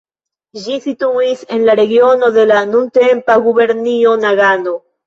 Ĝi situis en la regiono de la nuntempa gubernio Nagano.